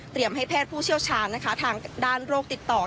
เตรียมให้แพทย์ผู้เชี่ยวชาญทางด้านโรคติดต่อ